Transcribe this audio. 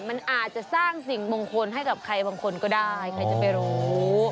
มันอาจจะสร้างสิ่งมงคลให้กับใครบางคนก็ได้ใครจะไปรู้